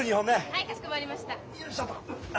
はいかしこまりました。